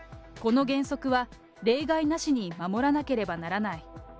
この原則は、例外なしに守らなければならない。